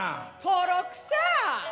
「とろくさ。